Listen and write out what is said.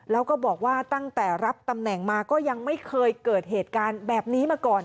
แล้วก็บอกว่าตั้งแต่รับตำแหน่งมาก็ยังไม่เคยเกิดเหตุการณ์แบบนี้มาก่อน